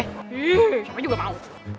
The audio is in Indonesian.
ih siapa juga mau